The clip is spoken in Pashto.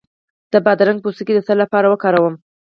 د بادرنګ پوستکی د څه لپاره وکاروم؟